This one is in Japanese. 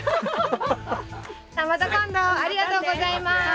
また今度ありがとうございます。